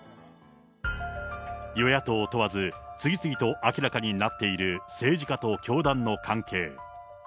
与野党問わず、次々と明らかになっている政治家と教団の関係。